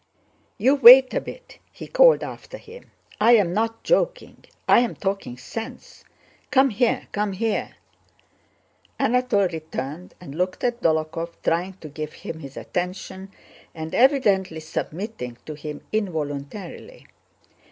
"You wait a bit," he called after him. "I'm not joking, I'm talking sense. Come here, come here!" Anatole returned and looked at Dólokhov, trying to give him his attention and evidently submitting to him involuntarily.